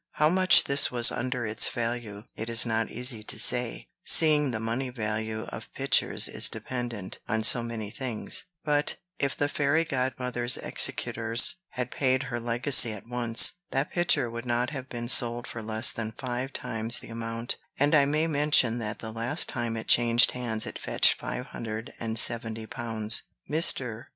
How much this was under its value, it is not easy to say, seeing the money value of pictures is dependent on so many things: but, if the fairy godmother's executors had paid her legacy at once, that picture would not have been sold for less than five times the amount; and I may mention that the last time it changed hands it fetched five hundred and seventy pounds. Mr.